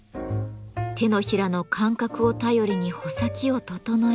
手のひらの感覚を頼りに穂先を整えていく。